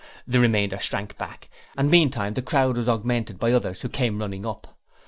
The remainder shrank back, and meantime the crowd was augmented by others who came running up.